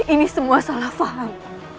ini semua salah faham